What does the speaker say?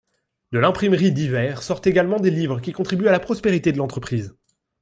De l'imprimerie d'Yvert sortent également des livres qui contribuent à la prospérité de l'entreprise.